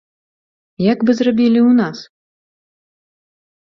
Як бы зрабілі ў нас?